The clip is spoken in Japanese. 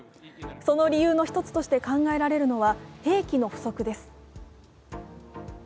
その理由の一つとして考えられるのは兵器の不足です。